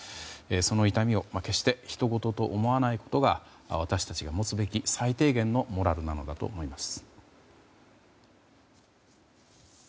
その痛みを、決してひとごとと思わないことが私たちが持つべき最低限のモラルかと思います。